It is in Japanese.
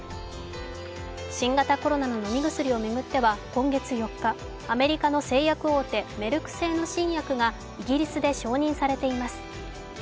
新型コロナの飲み薬を巡っては今月４日、アメリカの製薬大手、メルク製の新薬がイギリスで承認されています。